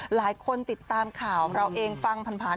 หลายคนติดตามข่าวของเราเองฟังผ่าน